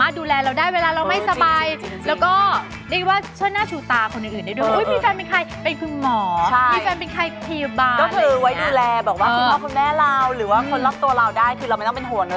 หรือว่าคนรอบตัวเราได้คือเราไม่ต้องเป็นห่วงเนอะ